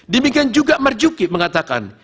demikian juga marjuki mengatakan